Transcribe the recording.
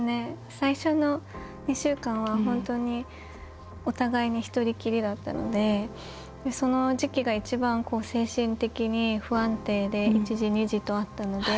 最初の２週間は本当にお互いに一人きりだったのでその時期がいちばん精神的に不安定で１次、２次とあったので。